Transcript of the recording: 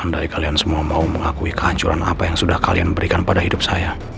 dari kalian semua mau mengakui kehancuran apa yang sudah kalian berikan pada hidup saya